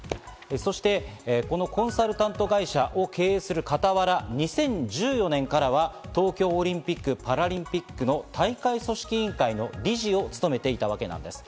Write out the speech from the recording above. そしてこのコンサルタント会社を経営する傍ら、２０１４年からは東京オリンピック・パラリンピックの大会組織委員会の理事を務めていたわけなんです。